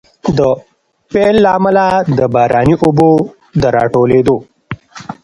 د پيل له امله، د باراني اوبو د راټولېدو